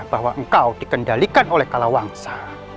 bahwa engkau dikendalikan oleh kalawangsa